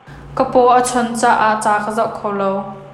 Ka paw a chon caah ca ka zoh kho lo.